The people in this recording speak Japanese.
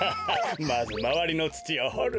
まずまわりのつちをほるんだよ。